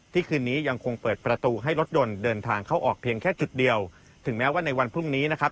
คืนนี้ยังคงเปิดประตูให้รถยนต์เดินทางเข้าออกเพียงแค่จุดเดียวถึงแม้ว่าในวันพรุ่งนี้นะครับ